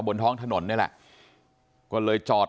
บนท้องถนนนี่แหละก็เลยจอด